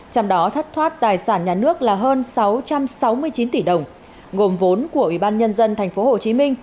trong đó thất thoát tài sản nhà nước là hơn sáu trăm sáu mươi chín tỷ đồng gồm vốn của ủy ban nhân dân tp hcm